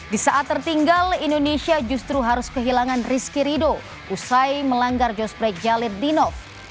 di saat tertinggal indonesia justru harus kehilangan rizky rido usai melanggar josplay jalir dinov